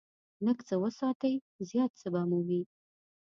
لږ څه وساتئ، زیات څه به مو وي.